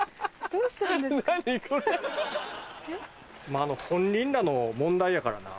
まぁ本人らの問題やからな。